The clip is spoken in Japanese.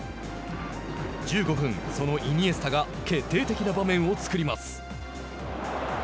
１５分、そのイニエスタが決定的な場面を作ります。